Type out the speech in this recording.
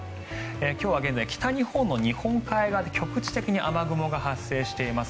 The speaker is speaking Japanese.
今日は現在北日本の日本海側で局地的に雨雲が発生しています。